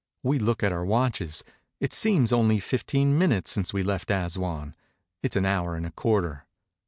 We look at our watches; it seems only fifteen minutes since we left Assouan; it is an hour and a quarter.